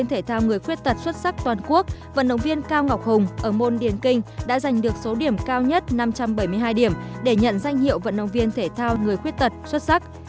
nguyễn cao ngọc hùng ở môn điển kinh đã giành được số điểm cao nhất năm trăm bảy mươi hai điểm để nhận danh hiệu vận động viên thể thao người khuyết tật xuất sắc